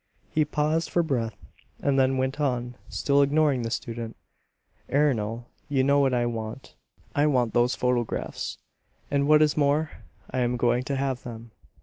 He paused for breath, and then went on, still ignoring the student, "Ernol, you know what I want. I want those photographs; and what is more, I am going to have them.